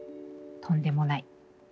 とんでもない。